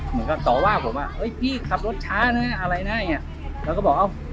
เหมือนกับต่อว่าผมพี่ขับรถช้านะอะไรน่ะเราก็บอก